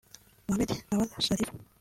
Muhammad Nawaz Sharif